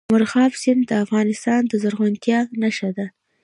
مورغاب سیند د افغانستان د زرغونتیا نښه ده.